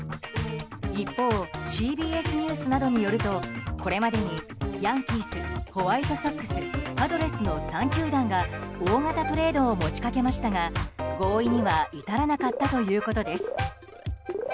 一方ＣＢＳニュースなどによるとこれまでに、ヤンキースホワイトソックス、パドレスの３球団が大型トレードを持ちかけましたが合意には至らなかったということです。